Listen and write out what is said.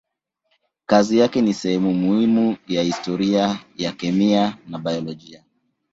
Kazi yake ni sehemu muhimu ya historia ya kemia na biolojia.